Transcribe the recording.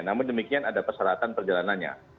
namun demikian ada persyaratan perjalanannya